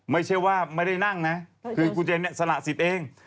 ไม่ใช่ว่าไม่ได้นั่งนะคือคุณเจนเนี่ยสละสิทธิ์เอง